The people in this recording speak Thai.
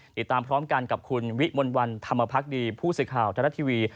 ติดตามพร้อมกันกับคุณวิมลวันธรรมพักดีผู้สื่อข่าวทรัฐทีวี